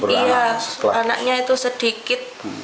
iya anaknya itu sedikit